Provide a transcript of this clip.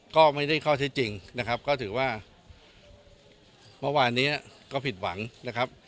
ก็ไม่ได้ข้อเท็จจริงนะครับก็ถือว่าเมื่อวานนี้ก็ผิดหวังนะครับ